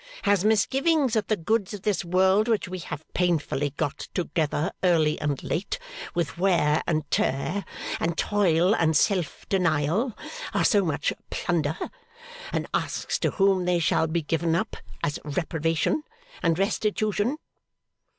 Has misgivings that the goods of this world which we have painfully got together early and late, with wear and tear and toil and self denial, are so much plunder; and asks to whom they shall be given up, as reparation and restitution!